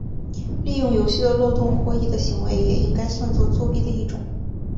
利用游戏的漏洞获益的行为也应该算作作弊的一种。